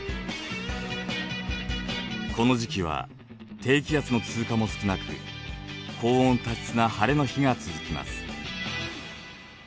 この時期は低気圧の通過も少なく高温多湿な晴れの日が続きます。